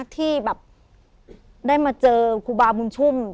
ที่แบบได้มาเจอครูบาบุญชุ่ม